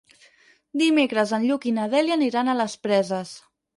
Dimecres en Lluc i na Dèlia aniran a les Preses.